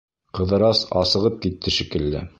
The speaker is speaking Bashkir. Ҡыҙырас асығып китте шикелле.